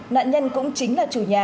nạn nhân cũng chính là chủ nhân